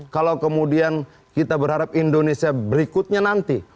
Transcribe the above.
kalau kemudian kita berharap indonesia berikutnya nanti